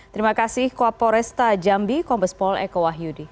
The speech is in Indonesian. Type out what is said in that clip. terima kasih koap poresta jambi koop bespol eko wahyudi